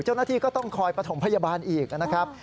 เจ้าหน้าที่ก็ต้องคอยประถมพยาบาลอีกนะครับ